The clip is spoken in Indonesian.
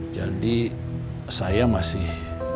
jadi saya masih